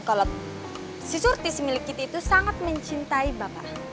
kalo si suti si milik kita itu sangat mencintai bapak